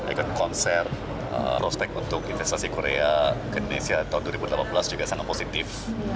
ikon konser prospek untuk investasi korea ke indonesia tahun dua ribu delapan belas juga sangat positif